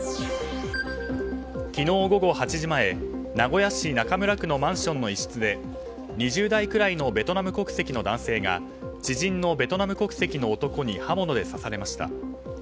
昨日午後８時前名古屋市中村区のマンションの一室で２０代くらいのベトナム国籍の男性が知人のベトナム国籍の男に刃物で刺されました。